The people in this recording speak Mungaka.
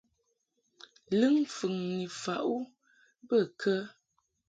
Lɨŋ mfɨŋni faʼ u bə kə ?